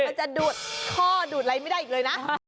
มันจะดูดข้อดูดอะไรไม่ได้อีกเลยนะ